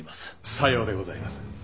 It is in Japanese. さようでございます。